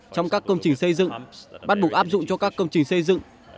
trong các công trình xây dựng bắt buộc áp dụng cho các công trình xây dựng